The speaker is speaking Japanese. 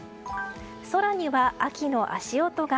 空には秋の足音が。